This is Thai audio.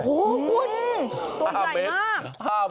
โอ้โหคุณตัวใหญ่มาก